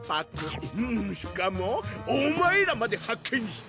しかもお前らまで発見した！